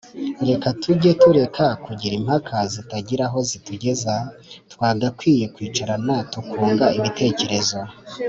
Reka tujye tureka kugira impaka zitagira aho zitugeza twagakwiye kwicarana tukunga ibitekerezo